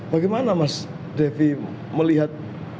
bagaimana mas devi melihat